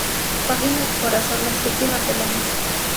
Páginas del corazón", "Las víctimas del amor.